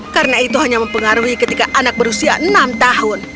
karena itu hanya mempengaruhi ketika anak berusia enam tahun